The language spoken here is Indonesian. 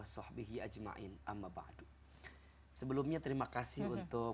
sebelumnya terima kasih untuk